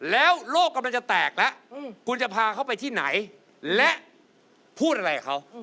แล้วโลกกำลังจะแตกแล้วคุณจะพาเขาไปที่ไหนและพูดอะไรกับเขา